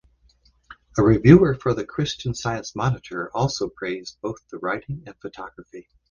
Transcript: A reviewer for "The Christian Science Monitor" also praised both the writing and photography.